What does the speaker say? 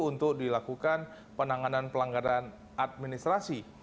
untuk dilakukan penanganan pelanggaran administrasi